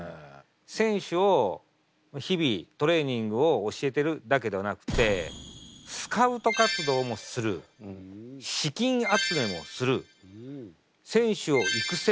選手を日々トレーニングを教えてるだけではなくてスカウト活動もする資金集めもする選手を育成もする。